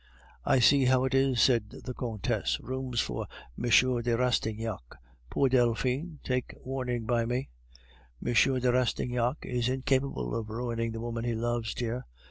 "I see how it is," said the Countess. "Rooms for M. de Rastignac. Poor Delphine, take warning by me!" "M. de Rastignac is incapable of ruining the woman he loves, dear."